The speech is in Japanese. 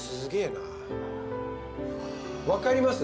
分かります？